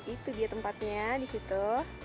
itu dia tempatnya di situ